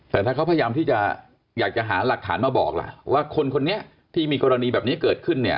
แต่ถ้าเขาพยายามที่จะอยากจะหาหลักฐานมาบอกล่ะว่าคนคนนี้ที่มีกรณีแบบนี้เกิดขึ้นเนี่ย